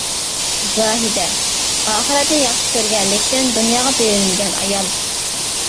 زاھىدە : ئاخىرەتنى ياخشى كۆرگەنلىكتىن دۇنياغا بېرىلمىگەن ئايال.